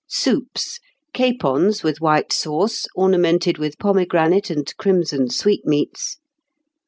'" "Soups. Capons with white sauce, ornamented with pomegranate and crimson sweetmeats.